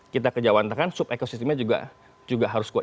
kita kejawan kan sub ekosistemnya juga harus kuat